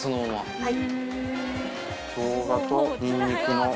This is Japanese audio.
はい。